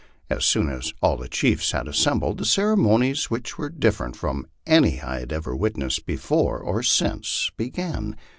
As soon as all the chiefs had assembled, the ceremonies, which were different from any I ever witnessed before or since, began.